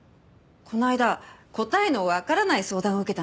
この間答えのわからない相談を受けたんです。